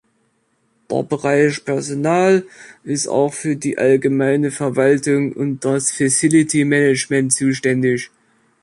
Der Bereich Personal ist auch für die allgemeine Verwaltung und das Facilitymanagement zuständig.